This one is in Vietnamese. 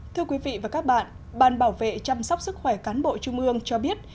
thưa quý vị và các bạn ban bảo vệ chăm sóc sức khỏe cán bộ trung ương cho biết